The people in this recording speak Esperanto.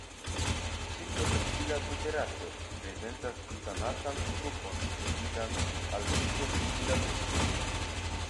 Cikloheptila buterato prezentas butanatan grupon ligitan al ciklobutila grupo.